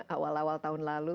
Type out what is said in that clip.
awal awal tahun lalu